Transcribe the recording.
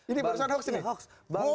ini bukan hoax ini